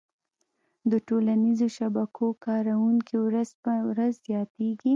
د ټولنیزو شبکو کارونکي ورځ په ورځ زياتيږي